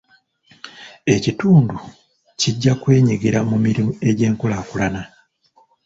Ekitundu kijja kwenyigira mu mirimu egy'enkulaakulana.